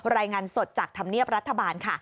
รายงานสดจากธรรมเนียบรัฐบาลค่ะ